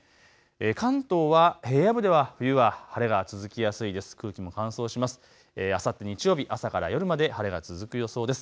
関東は平野部では冬は晴れが続きやすいです。